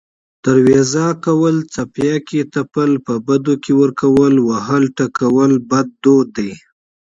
دروېزه کول، څپياکې تپل، په بدو کې ورکول، وهل، ټکول بد دود دی